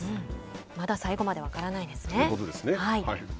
まだ最後まで分からないですね。